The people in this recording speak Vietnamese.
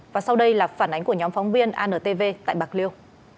và sau đây là phản ánh của nhóm phóng viên antv tại bạc liêu